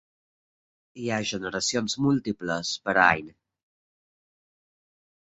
Hi ha generacions múltiples per any.